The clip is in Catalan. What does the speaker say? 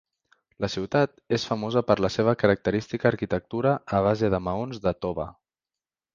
La ciutat és famosa per la seva característica arquitectura a base de maons de tova.